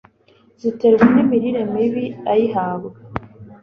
ziterwa n'imirire mibi ayihabwa